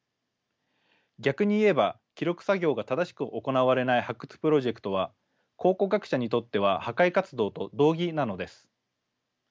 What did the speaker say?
逆に言えば記録作業が正しく行われない発掘プロジェクトは考古学者にとっては破壊活動と同義なのです。